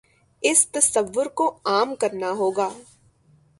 اس تصور کو عام کرنا ہو گا۔